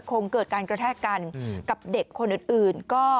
คงเกิดการกระแทกกันกับเด็กคนอื่น